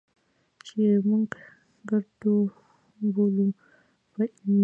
چې موږ ګړدود بولو، په علمي